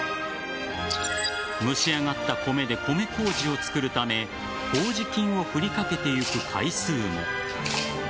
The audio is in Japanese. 蒸しあがった米で米こうじを作るためこうじ菌を振りかけていく回数も。